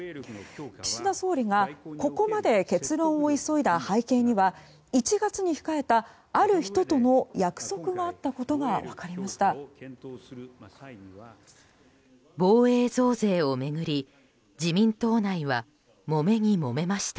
岸田総理がここまで結論を急いだ背景には１月に控えた、ある人との約束があったことが分かりました。